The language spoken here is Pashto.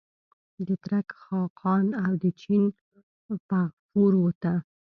د ترک خاقان او د چین فغفور ته.